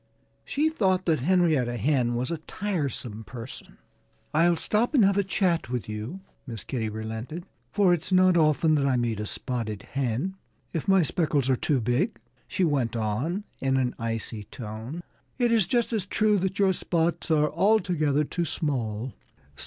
She thought that Henrietta Hen was a tiresome person. "Ill stop and have a chat with you," Miss Kitty relented, "for it's not often that I meet a spotted hen. If my speckles are too big," she went on in an icy tone, "it is just as true that your spots are altogether too small."